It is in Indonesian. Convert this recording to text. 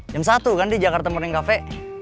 jam satu kan di jakarta morning cafe